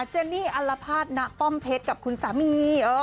เจนี่อัลภาษณป้อมเพชรกับคุณสามี